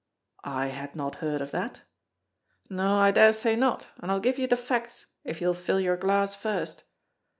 "I had not heard of that." "No, I daresay not, and I'll give you the facts, if you'll fill your glass first.